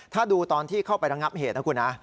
ถ้าดูตอนที่เข้าไประงับเหตุนะคุณนะ